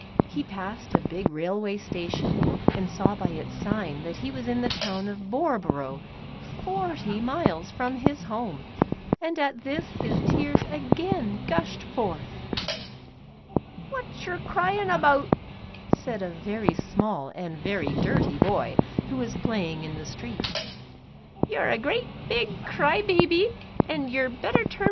He passed a big railway station and saw by its sign that he was in the town of Boreborough, forty miles from his home, and at this his tears again gushed forth. "Wot yer cryin' 'bout ?" said a very small and very dirty boy, who was playing in the street. " Yer a great big cry baby, an' yer 'd better turn The N. S. Bicycle.